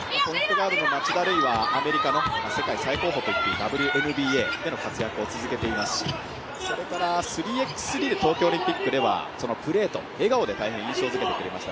ガードの町田瑠唯はアメリカの世界最高峰といっていいＷＮＢＡでの活躍を続けていますし、それから３ｘ３で東京オリンピックではプレーと笑顔で、大変印象づけてくれました。